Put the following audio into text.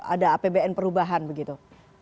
ada apbn perubahan begitu